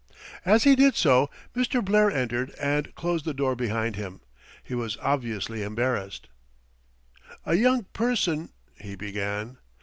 As he did so Mr. Blair entered and closed the door behind him. He was obviously embarrassed. "A young person " he began.